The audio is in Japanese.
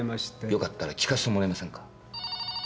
よかったら聞かせてもらえませんか？